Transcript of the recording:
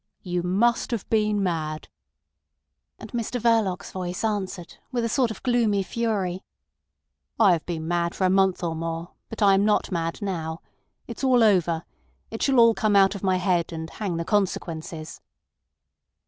"You must have been mad." And Mr Verloc's voice answered, with a sort of gloomy fury: "I have been mad for a month or more, but I am not mad now. It's all over. It shall all come out of my head, and hang the consequences."